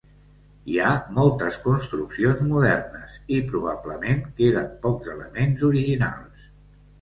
Hi ha moltes construccions modernes, i probablement queden pocs elements originals.